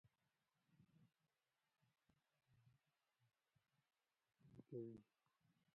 په افغانستان کې تودوخه د خلکو د ژوند په کیفیت تاثیر کوي.